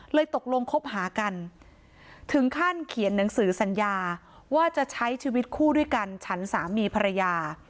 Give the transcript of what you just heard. ตกลงคบหากันถึงขั้นเขียนหนังสือสัญญาว่าจะใช้ชีวิตคู่ด้วยกันฉันสามีภรรยา